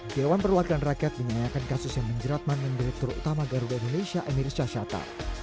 dewan perwakilan rakyat menyayakan kasus yang menjeratman dengan direktur utama garuda indonesia emir syasyata